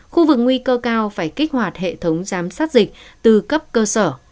khu vực nguy cơ cao phải kích hoạt hệ thống giám sát dịch từ cấp cơ sở